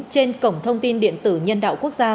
trên cổng thông tin điện tử nhân đạo quốc gia